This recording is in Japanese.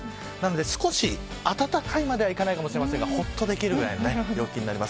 少し暖かいまではいかないですがほっとできるくらいの陽気になります。